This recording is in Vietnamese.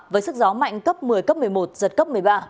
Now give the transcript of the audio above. với sức gió mạnh cấp một mươi cấp một mươi một giật cấp một mươi ba